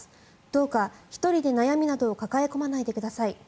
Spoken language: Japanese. どうか１人で悩みなどを抱え込まないでください。